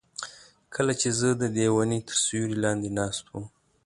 کله چې زه ددې ونې تر سیوري لاندې ناست وم.